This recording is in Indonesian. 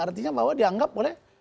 artinya bahwa dianggap oleh